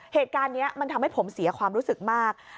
เหตุการณ์นี้มันทำให้ผมเสียความรู้สึกมาก